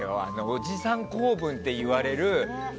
おじさん構文って言われる。